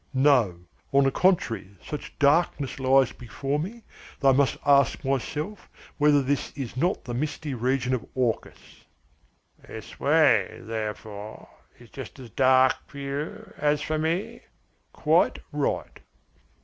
"No, on the contrary such darkness lies before me that I must ask myself whether this is not the misty region of Orcus." "This way, therefore, is just as dark for you as for me?" "Quite right."